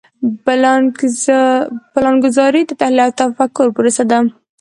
پلانګذاري د تحلیل او تفکر پروسه ده.